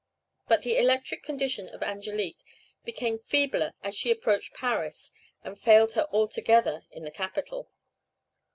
But the electric condition of Angelique became feebler as she approached Paris, and failed her altogether in the capital.